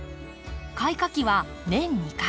開花期は年２回。